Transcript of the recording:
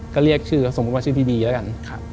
ก็เรียกชื่อสมมุติว่าชื่อพี่บีแล้วกัน